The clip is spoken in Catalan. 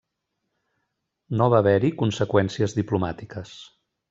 No va haver-hi conseqüències diplomàtiques.